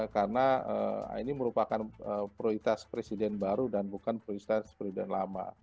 karena ini merupakan prioritas presiden baru dan bukan prioritas presiden lama